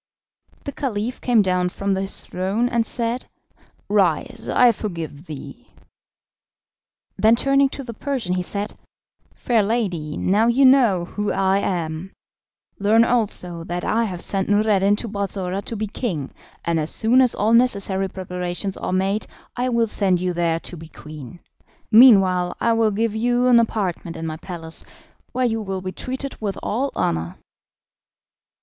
The Caliph came down from his throne, and said: "Rise, I forgive thee." Then turning to the Persian he said: "Fair lady, now you know who I am; learn also that I have sent Noureddin to Balsora to be king, and as soon as all necessary preparations are made I will send you there to be queen. Meanwhile I will give you an apartment in my palace, where you will be treated with all honour."